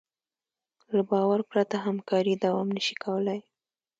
له باور پرته همکاري دوام نهشي کولی.